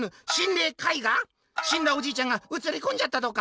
「しんだおじいちゃんがうつりこんじゃったとか⁉」。